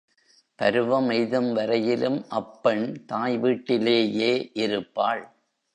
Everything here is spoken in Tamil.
பருவம் எய்தும் வரையிலும் அப் பெண் தாய் வீட்டிலேயே இருப்பாள்.